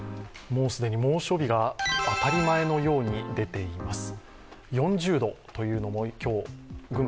もう既に猛暑日が当たり前のように出ています。